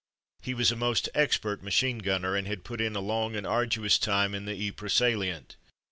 He was a most expert machine gunner, and had put in a long and arduous time in the Ypres salient.